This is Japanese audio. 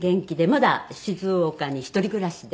まだ静岡に一人暮らしで。